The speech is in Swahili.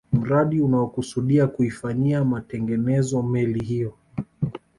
Mradi unaokusudia kuifanyia matengenezo meli hiyo